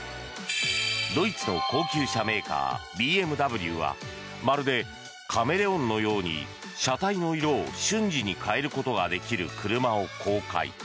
ドイツの高級車メーカーＢＭＷはまるでカメレオンのように車体の色を瞬時に変えることができる車を公開。